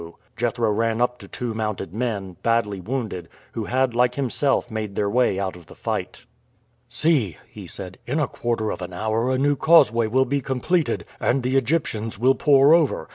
Jethro ran up to two mounted men, badly wounded, who had like himself made their way out of the fight. "See," he said, "in a quarter of an hour a new causeway will be completed, and the Egyptians will pour over.